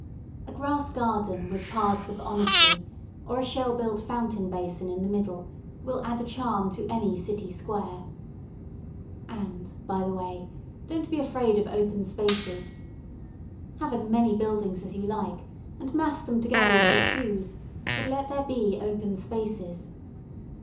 A grass garden with paths of honesty, or a shell built fountain basin in the middle, will add a charm to any city square. And by the way, don't be afraid of open spaces. Have as many buildings as you like, and mass them together as you choose, but let there be open spaces.